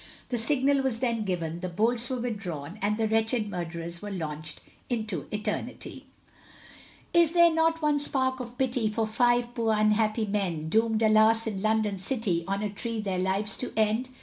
The signal was then given, the bolts were withdrawn, and the wretched murderers were launched into eternity. COPY OF VERSES. Is there not one spark of pity, For five poor unhappy men, Doomed, alas! in London city, On a tree their lives to end?